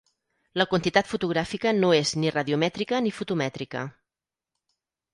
La quantitat fotogràfica no és ni radiomètrica ni fotomètrica.